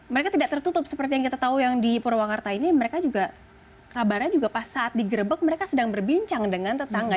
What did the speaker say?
mereka tidak tertutup seperti yang kita tahu yang di purwakarta ini mereka juga kabarnya juga pas saat digerebek mereka sedang berbincang dengan tetangga